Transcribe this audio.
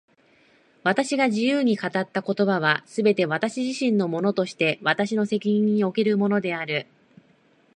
私が自由に語った言葉は、すべて私自身のものとして私の責任におけるものである。